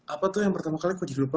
apa tuh yang pertama kali aku jadi lupa